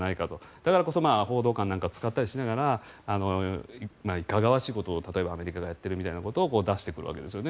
だからこそ報道官なんかを使ったりしながらいかがわしいことを例えばアメリカがやっているみたいなことを出してくるわけですよね。